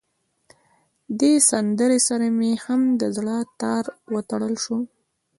دې سندره سره مې هم د زړه تار وتړل شو.